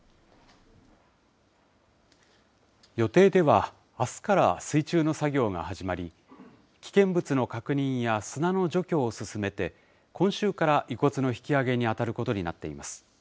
予定では、あすから水中の作業が始まり、危険物の確認や砂の除去を進めて、今週から遺骨の引き揚げに当たることになっています。